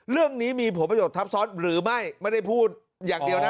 เรื่องนี้มีผลประโยชน์ทับซ้อนหรือไม่ไม่ได้พูดอย่างเดียวนะ